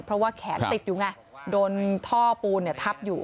เพราะว่าแขนติดอยู่ไงโดนท่อปูนทับอยู่